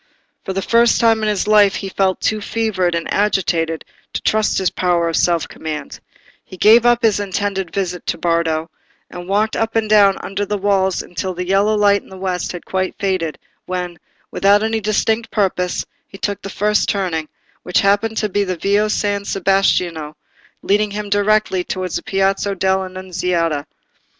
For the first time in his life he felt too fevered and agitated to trust his power of self command; he gave up his intended visit to Bardo, and walked up and down under the walls until the yellow light in the west had quite faded, when, without any distinct purpose, he took the first turning, which happened to be the Via San Sebastiano, leading him directly towards the Piazza dell' Annunziata.